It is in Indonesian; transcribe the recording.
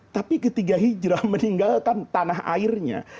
tapi ketika hijrah meninggalkan tanah airnya